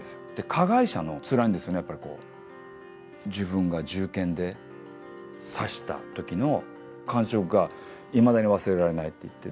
加害者もつらいんですよね、やっぱり、こう、自分が銃剣で刺したときの感触がいまだに忘れられないって言って。